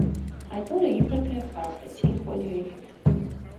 Այդ օրը իբր թե պարապեցի Կոլյայի հետ.